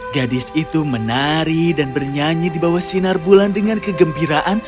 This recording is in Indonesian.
gadis itu menari dan bernyanyi di bawah sinar bulan dengan kegembiraan